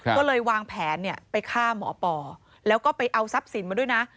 ก็เลยวางแผนไปฆ่าหมอปอแล้วก็ไปเอาทรัพย์สินมาด้วยนะ